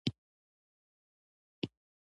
افغانستان له تنوع ډک دی.